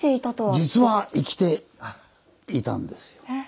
実は生きていたんですよ。